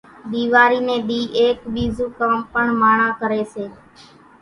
ۮيواري نين ۮي ايڪ ٻيزون ڪام پڻ ماڻۿان ڪري سي